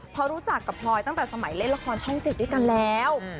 เพราะรู้จักกับพลอยตั้งแต่สมัยเล่นละครช่อง๗ด้วยกันแล้ว